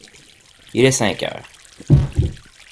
Il est cinq heures.